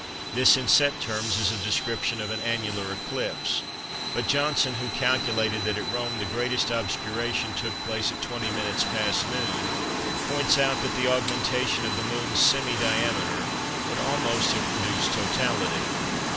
This in set terms is a description of an annular eclipse, but Johnston who calculated that at Rome the greatest obscuration took place at 20m. past noon points out that the augmentation of the Moon's semi diameter would almost have produced totality.